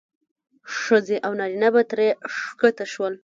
ښځې او نارینه به ترې ښکته شول.